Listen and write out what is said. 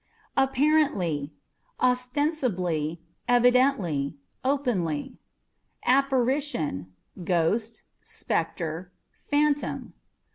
Apparently â€" ostensibly, evidently, openly. Apparition â€" ghost, spectre, phantom.